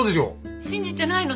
信じてないの？